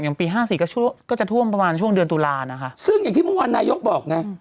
ปีห้าสี่ก็ช่วงก็จะท่วมประมาณช่วงเดือนตุลานะคะซึ่งอย่างที่เมื่อวานนายกบอกไง